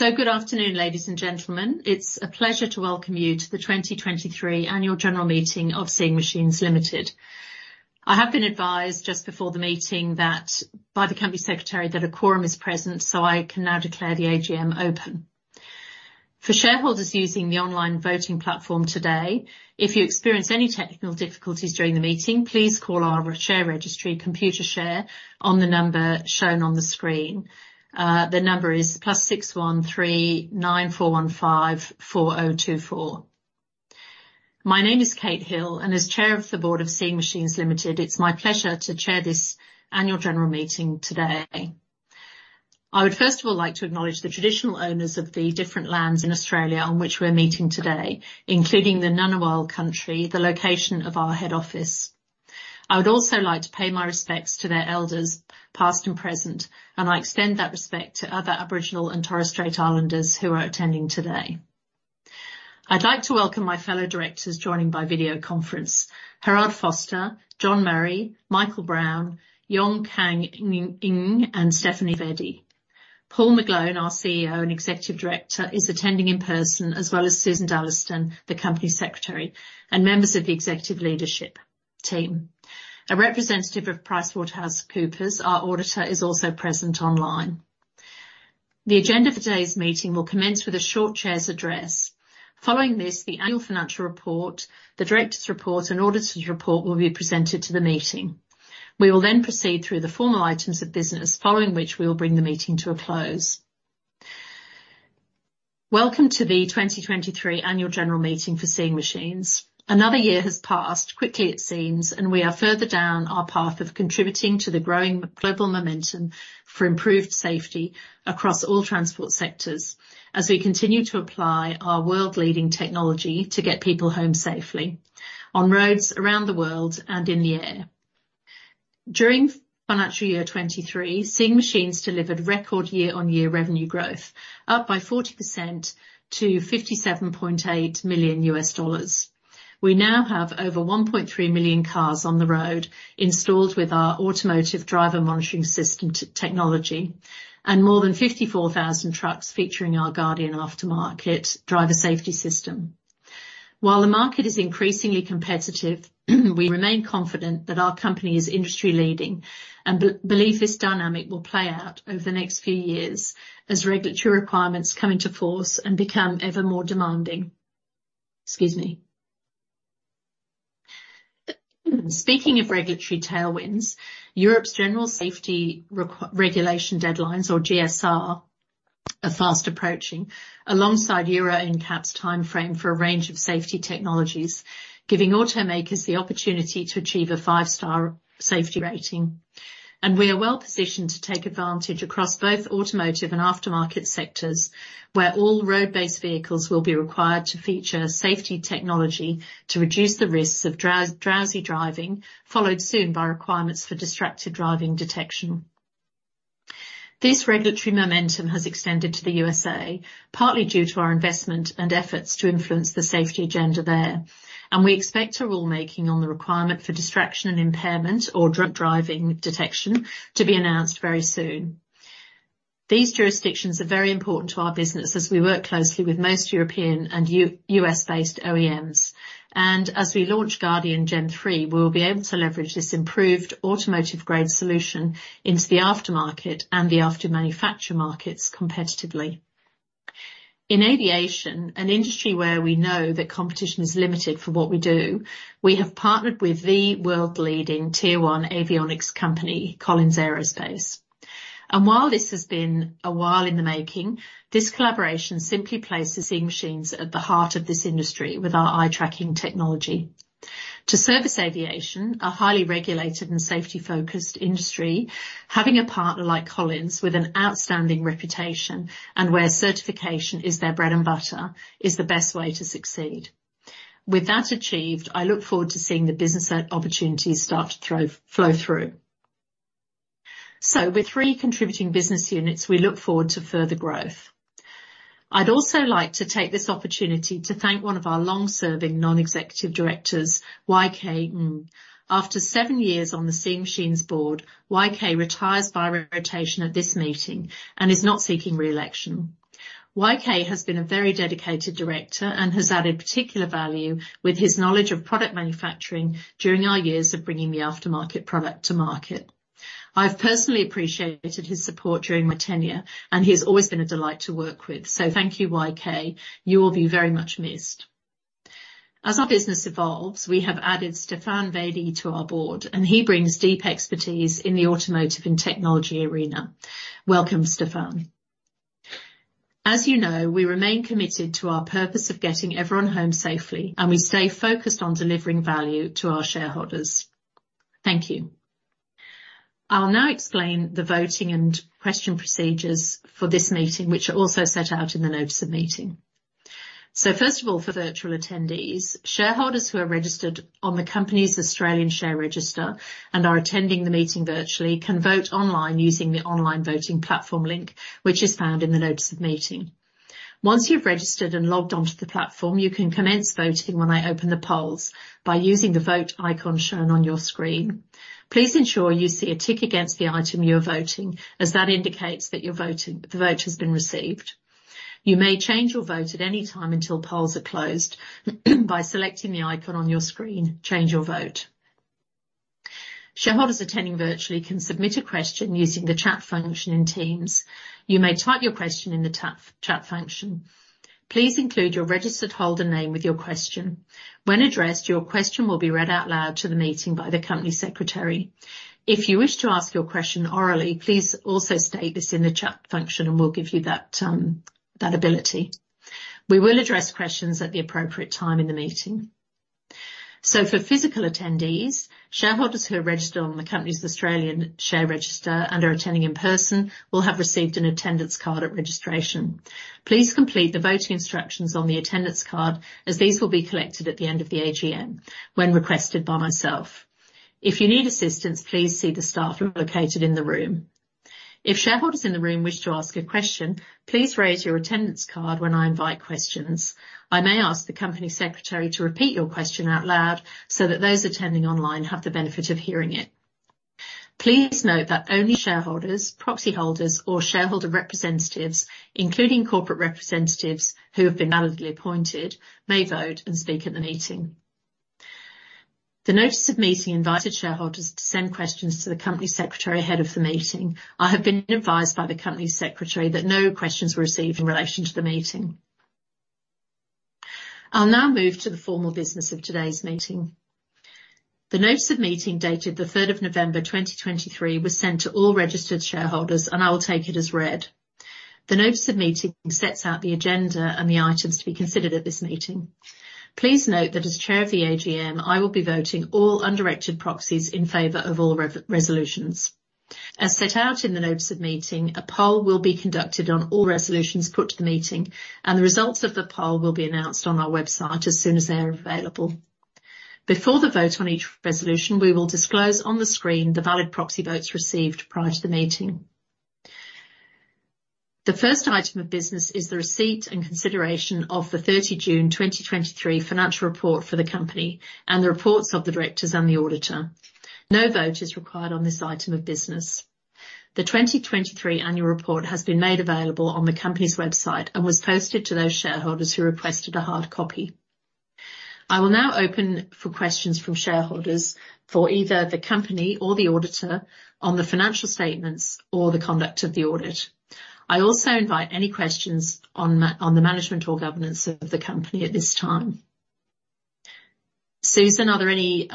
Good afternoon, ladies and gentlemen. It's a pleasure to welcome you to the 2023 Annual General Meeting of Seeing Machines Limited. I have been advised just before the meeting that, by the company secretary, that a quorum is present, so I can now declare the AGM open. For shareholders using the online voting platform today, if you experience any technical difficulties during the meeting, please call our share registry, Computershare, on the number shown on the screen. The number is +61 3 9415 4024. My name is Kate Hill, and as Chair of the Board of Seeing Machines Limited, it's my pleasure to chair this annual general meeting today. I would first of all like to acknowledge the traditional owners of the different lands in Australia on which we're meeting today, including the Ngunnawal country, the location of our head office. I would also like to pay my respects to their elders, past and present, and I extend that respect to other Aboriginal and Torres Strait Islanders who are attending today. I'd like to welcome my fellow directors joining by video conference: Gerhard Vorster, John Murray, Michael Brown, Yong Kang Ng, Stéphane Vedie. Paul McGlone, our CEO and Executive Director, is attending in person, as well as Susan Dalliston, the Company Secretary, and members of the executive leadership team. A representative of PricewaterhouseCoopers, our auditor, is also present online. The agenda for today's meeting will commence with a short chair's address. Following this, the annual financial report, the directors' report, and auditors' report will be presented to the meeting. We will then proceed through the formal items of business, following which we will bring the meeting to a close. Welcome to the 2023 annual general meeting for Seeing Machines. Another year has passed, quickly it seems, and we are further down our path of contributing to the growing global momentum for improved safety across all transport sectors, as we continue to apply our world-leading technology to get people home safely on roads around the world and in the air. During financial year 2023, Seeing Machines delivered record year-on-year revenue growth, up by 40% to $57.8 million. We now have over 1.3 million cars on the road installed with our automotive driver monitoring system technology, and more than 54,000 trucks featuring our Guardian aftermarket driver safety system. While the market is increasingly competitive, we remain confident that our company is industry-leading and believe this dynamic will play out over the next few years as regulatory requirements come into force and become ever more demanding. Excuse me. Speaking of regulatory tailwinds, Europe's General Safety Regulation deadlines, or GSR, are fast approaching, alongside Euro NCAP's timeframe for a range of safety technologies, giving automakers the opportunity to achieve a five-star safety rating. We are well-positioned to take advantage across both automotive and aftermarket sectors, where all road-based vehicles will be required to feature safety technology to reduce the risks of drowsy driving, followed soon by requirements for distracted driving detection. This regulatory momentum has extended to the U.S.A., partly due to our investment and efforts to influence the safety agenda there, and we expect a rulemaking on the requirement for distraction and impairment or drunk driving detection to be announced very soon. These jurisdictions are very important to our business, as we work closely with most European and U.S.-based OEMs. As we launch Guardian Gen 3, we will be able to leverage this improved automotive-grade solution into the aftermarket and the after-manufacture markets competitively. In aviation, an industry where we know that competition is limited for what we do, we have partnered with the world-leading Tier 1 avionics company, Collins Aerospace. While this has been a while in the making, this collaboration simply places Seeing Machines at the heart of this industry with our eye-tracking technology. To service aviation, a highly regulated and safety-focused industry, having a partner like Collins, with an outstanding reputation and where certification is their bread and butter, is the best way to succeed. With that achieved, I look forward to seeing the business opportunities start to thrive, flow through. So with three contributing business units, we look forward to further growth. I'd also like to take this opportunity to thank one of our long-serving, non-executive directors, YK Ng. After seven years on the Seeing Machines board, YK retires by rotation at this meeting and is not seeking re-election. YK has been a very dedicated director and has added particular value with his knowledge of product manufacturing during our years of bringing the aftermarket product to market. I've personally appreciated his support during my tenure, and he's always been a delight to work with. So thank you, YK. You will be very much missed. As our business evolves, we have Stéphane Vedie to our board, and he brings deep expertise in the automotive and technology arena. Welcome, Stéphane. As you know, we remain committed to our purpose of getting everyone home safely, and we stay focused on delivering value to our shareholders. Thank you. I'll now explain the voting and question procedures for this meeting, which are also set out in the notice of meeting. So first of all, for virtual attendees, shareholders who are registered on the company's Australian share register and are attending the meeting virtually, can vote online using the online voting platform link, which is found in the notice of meeting. Once you've registered and logged on to the platform, you can commence voting when I open the polls by using the Vote icon shown on your screen. Please ensure you see a tick against the item you are voting, as that indicates that your vote, the vote has been received... You may change your vote at any time until polls are closed by selecting the icon on your screen, Change Your Vote. Shareholders attending virtually can submit a question using the chat function in Teams. You may type your question in the chat function. Please include your registered holder name with your question. When addressed, your question will be read out loud to the meeting by the company secretary. If you wish to ask your question orally, please also state this in the chat function, and we'll give you that, that ability. We will address questions at the appropriate time in the meeting. So for physical attendees, shareholders who are registered on the company's Australian share register and are attending in person will have received an attendance card at registration. Please complete the voting instructions on the attendance card, as these will be collected at the end of the AGM, when requested by myself. If you need assistance, please see the staff located in the room. If shareholders in the room wish to ask a question, please raise your attendance card when I invite questions. I may ask the company secretary to repeat your question out loud, so that those attending online have the benefit of hearing it. Please note that only shareholders, proxy holders, or shareholder representatives, including corporate representatives who have been validly appointed, may vote and speak at the meeting. The notice of meeting invited shareholders to send questions to the company secretary ahead of the meeting. I have been advised by the company secretary that no questions were received in relation to the meeting. I'll now move to the formal business of today's meeting. The notice of meeting, dated the 3rd of November 2023, was sent to all registered shareholders, and I will take it as read. The notice of meeting sets out the agenda and the items to be considered at this meeting. Please note that as chair of the AGM, I will be voting all undirected proxies in favor of all resolutions. As set out in the notice of meeting, a poll will be conducted on all resolutions put to the meeting, and the results of the poll will be announced on our website as soon as they are available. Before the vote on each resolution, we will disclose on the screen the valid proxy votes received prior to the meeting. The first item of business is the receipt and consideration of the 30 June 2023 financial report for the company and the reports of the directors and the auditor. No vote is required on this item of business. The 2023 annual report has been made available on the company's website and was posted to those shareholders who requested a hard copy. I will now open for questions from shareholders for either the company or the auditor on the financial statements or the conduct of the audit. I also invite any questions on the management or governance of the company at this time. Susan, are there any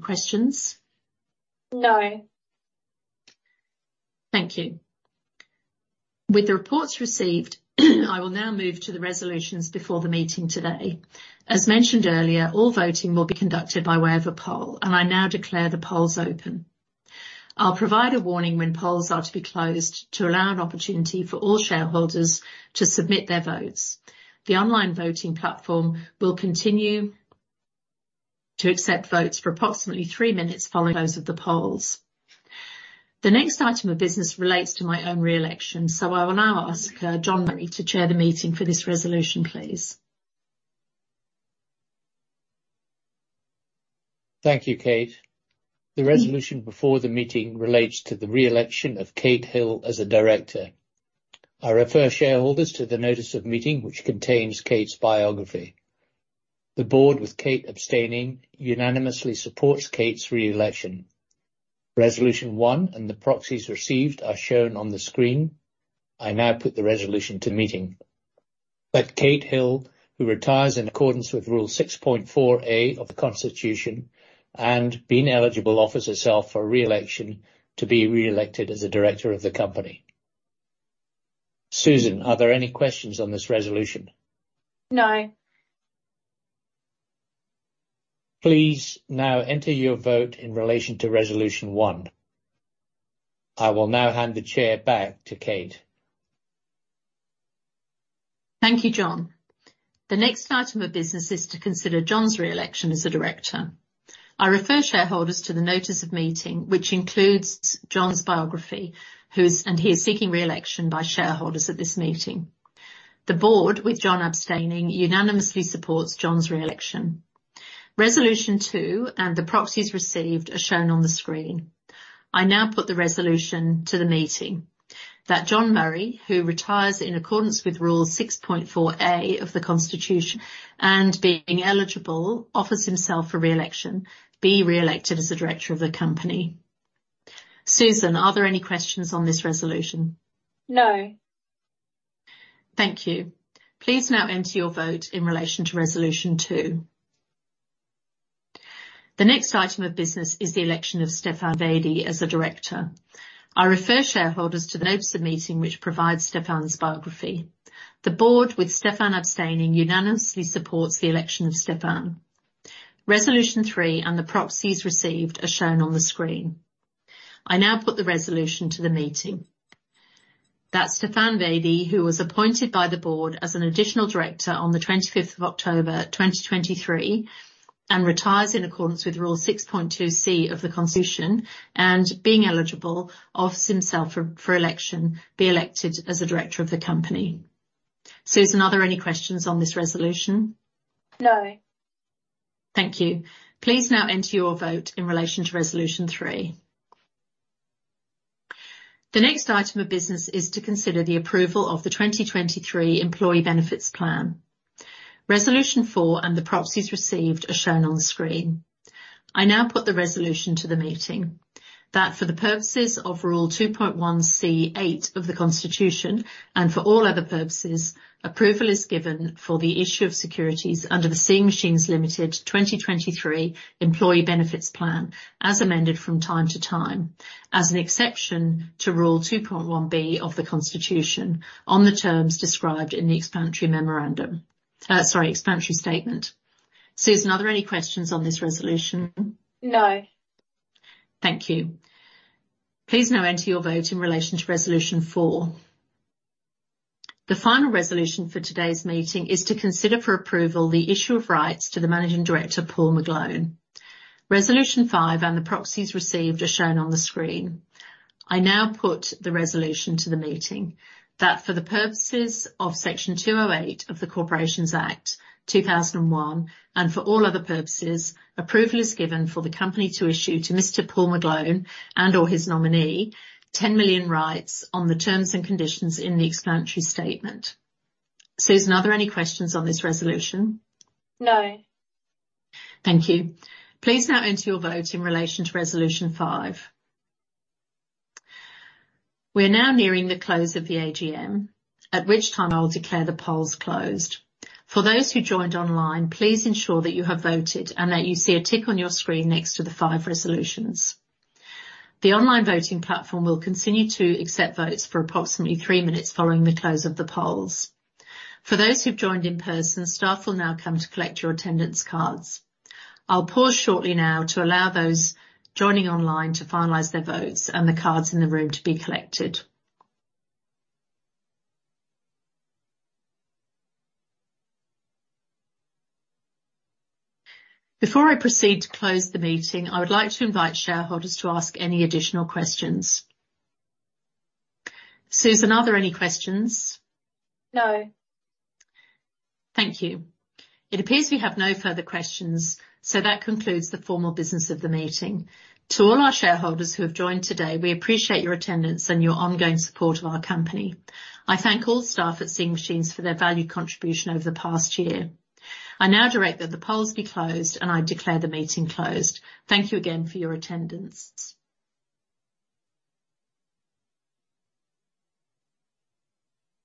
questions? No. Thank you. With the reports received, I will now move to the resolutions before the meeting today. As mentioned earlier, all voting will be conducted by way of a poll, and I now declare the polls open. I'll provide a warning when polls are to be closed to allow an opportunity for all shareholders to submit their votes. The online voting platform will continue to accept votes for approximately three minutes following close of the polls. The next item of business relates to my own re-election, so I will now ask John Murray to chair the meeting for this resolution, please. Thank you, Kate. The resolution before the meeting relates to the re-election of Kate Hill as a director. I refer shareholders to the notice of meeting, which contains Kate's biography. The board, with Kate abstaining, unanimously supports Kate's re-election. Resolution 1 and the proxies received are shown on the screen. I now put the resolution to the meeting: That Kate Hill, who retires in accordance with Rule 6.4(a) of the Constitution and being eligible, offers herself for re-election to be re-elected as a director of the company. Susan, are there any questions on this resolution? No. Please now enter your vote in relation to Resolution 1. I will now hand the chair back to Kate. Thank you, John. The next item of business is to consider John's re-election as a director. I refer shareholders to the notice of meeting, which includes John's biography, whose... And he is seeking re-election by shareholders at this meeting. The board, with John abstaining, unanimously supports John's re-election. Resolution 2 and the proxies received are shown on the screen. I now put the resolution to the meeting: That John Murray, who retires in accordance with Rule 6.4(a) of the Constitution and being eligible, offers himself for re-election, be re-elected as a director of the company. Susan, are there any questions on this resolution? No. Thank you. Please now enter your vote in relation to Resolution 2. The next item of business is the election of Stéphane Vedie as a director. I refer shareholders to the notice of meeting, which provides Stéphane's biography. The board, with Stéphane abstaining, unanimously supports the election of Stéphane. Resolution 3 and the proxies received are shown on the screen. I now put the resolution to the meeting: That Stéphane Vedie, who was appointed by the board as an additional director on the 25th of October 2023, and retires in accordance with Rule 6.2(c) of the Constitution, and being eligible, offers himself for election, be elected as a director of the company. Susan, are there any questions on this resolution? No. Thank you. Please now enter your vote in relation to Resolution 3. The next item of business is to consider the approval of the 2023 Employee Benefits Plan. Resolution 4 and the proxies received are shown on the screen. I now put the resolution to the meeting that for the purposes of Rule 2.1(c)(viii) of the Constitution, and for all other purposes, approval is given for the issue of securities under the Seeing Machines Limited 2023 Employee Benefits Plan, as amended from time to time, as an exception to Rule 2.1(b) of the Constitution on the terms described in the explanatory statement. Susan, are there any questions on this resolution? No. Thank you. Please now enter your vote in relation to Resolution 4. The final resolution for today's meeting is to consider for approval the issue of rights to the managing director, Paul McGlone. Resolution 5 and the proxies received are shown on the screen. I now put the resolution to the meeting that for the purposes of Section 208 of the Corporations Act 2001, and for all other purposes, approval is given for the company to issue to Mr. Paul McGlone and or his nominee, 10 million rights on the terms and conditions in the explanatory statement. Susan, are there any questions on this resolution? No. Thank you. Please now enter your vote in relation to Resolution 5. We are now nearing the close of the AGM, at which time I'll declare the polls closed. For those who joined online, please ensure that you have voted and that you see a tick on your screen next to the five resolutions. The online voting platform will continue to accept votes for approximately three minutes following the close of the polls. For those who've joined in person, staff will now come to collect your attendance cards. I'll pause shortly now to allow those joining online to finalize their votes and the cards in the room to be collected. Before I proceed to close the meeting, I would like to invite shareholders to ask any additional questions. Susan, are there any questions? No. Thank you. It appears we have no further questions, so that concludes the formal business of the meeting. To all our shareholders who have joined today, we appreciate your attendance and your ongoing support of our company. I thank all staff at Seeing Machines for their valued contribution over the past year. I now direct that the polls be closed, and I declare the meeting closed. Thank you again for your attendance.